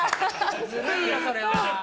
ズルいよそれは。